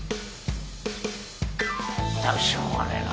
ったくしようがねえな。